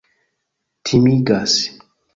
timigas